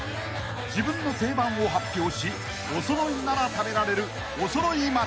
［自分の定番を発表しおそろいなら食べられるおそろい松］